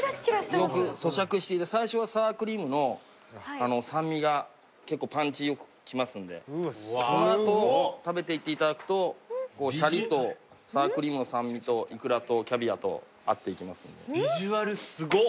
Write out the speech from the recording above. よくそしゃくして最初はサワークリームの酸味が結構パンチよくきますんでその後食べていっていただくとシャリとサワークリームの酸味とイクラとキャビアと合っていきますんでビジュアルすご！